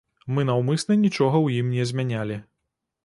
Мы наўмысна нічога ў ім не змянялі.